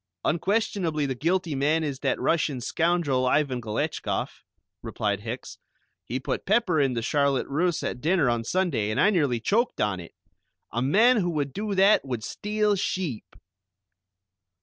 "Unquestionably the guilty man is that Russian scoundrel Ivan Galetchkoff," replied Hicks, "he put pepper in the charlotte russe at dinner on Sunday, and I nearly choked on it. A man who would do that would steal sheep!"